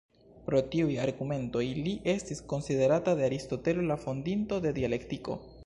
Pro tiuj argumentoj li estis konsiderata de Aristotelo la fondinto de dialektiko.